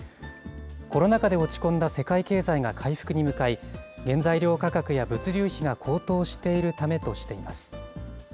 コロナ禍で落ち込んだ世界経済が回復に向かい、原材料価格や物流費が高騰しているためとしています。